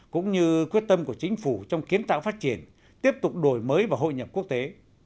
cũng như quyết tâm của chính phủ trong kiến tạo phát triển tiếp tục đổi mới và hội nhập quốc tế